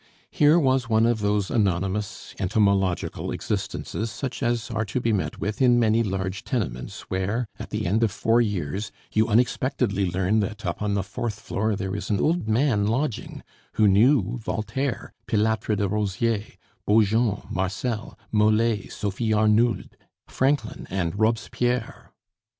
Here was one of those anonymous, entomological existences such as are to be met with in many large tenements where, at the end of four years, you unexpectedly learn that up on the fourth floor there is an old man lodging who knew Voltaire, Pilatre de Rozier, Beaujon, Marcel, Mole, Sophie Arnould, Franklin, and Robespierre.